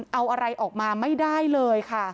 เอาอะไรออกมาไม่ได้เลยค่ะ